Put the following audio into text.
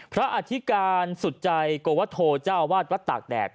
พระอธิกาณสุดใจกวัตโธเจ้าวัดวัตหักแดด